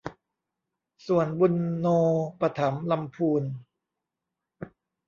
ส่วนบุญโญปถัมภ์ลำพูน